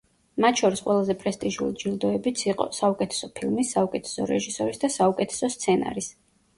მათ შორის ყველაზე პრესტიჟული ჯილდოებიც იყო – საუკეთესო ფილმის, საუკეთესო რეჟისორის და საუკეთესო სცენარის.